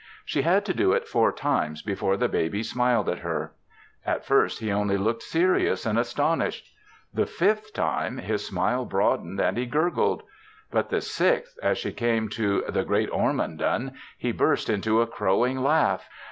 She had to do it four times before the baby smiled at her. At first he only looked serious and astonished. The fifth time his smile broadened and he gurgled. But the sixth, as she came to "The Great Ormondon," he burst into a crowing laugh.